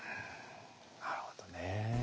なるほどね。